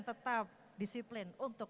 tetap disiplin untuk